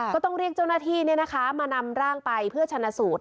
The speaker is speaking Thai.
ก็ต้องเรียกเจ้าหน้าที่มานำร่างไปเพื่อชนะสูตร